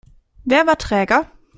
Wer war träger?